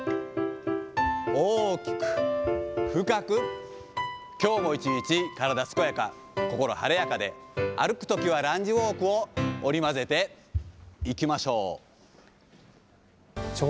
大きく深く、きょうも一日、体健やか、心晴れやかで、歩くときはランジウォークを織り交ぜていきましょう。